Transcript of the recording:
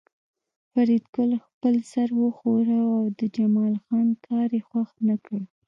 فریدګل خپل سر وښوراوه او د جمال خان کار یې خوښ نکړ